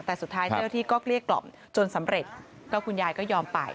แต่สุดท้ายเจ้าที่ก็เกลี้ยกล่อมจนสำเร็จก็คุณยายก็ยอมไป